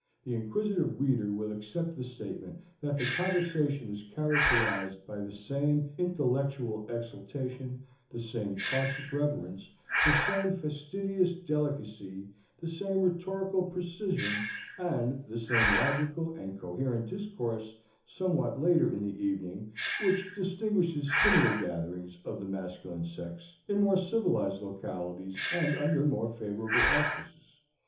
The inquisitive reader will accept the statement that the conversation was characterized by the same intellectual exaltation, the same cautious reverence, the same fastidious delicacy, the same rhetorical precision, and the same logical and coherent discourse somewhat later in the evening, which distinguish similar gatherings of the masculine sex in more civilized localities and under more favorable auspices.